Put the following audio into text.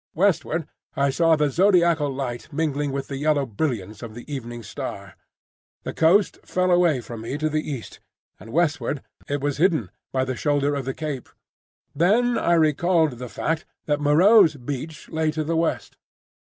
Westward I saw the zodiacal light mingling with the yellow brilliance of the evening star. The coast fell away from me to the east, and westward it was hidden by the shoulder of the cape. Then I recalled the fact that Moreau's beach lay to the west.